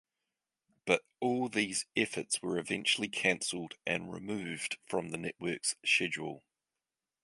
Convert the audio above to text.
But all these efforts were eventually canceled and removed from the network's schedule.